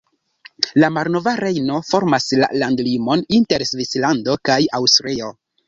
La malnova Rejno formas la landlimon inter Svislando kaj Aŭstrio.